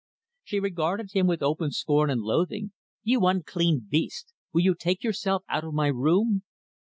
She regarded him with open scorn and loathing. "You unclean beast! Will you take yourself out of my room?"